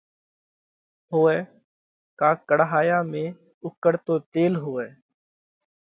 هوئہ ڪا ڪڙهايا ۾ اُوڪۯتو تيل هوئہ۔